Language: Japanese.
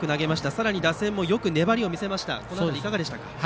さらに打線もよく粘りを見せましたがいかがでしたか。